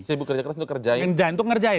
sibuk kerja keras untuk mengerjakan